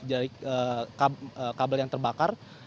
dari kabel yang terbakar